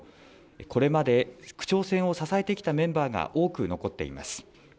これまで、区長選挙支えてきたメンバーが多く残っています。